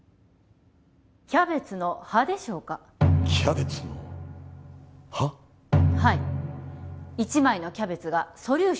キャベツの葉でしょうかキャベツの葉？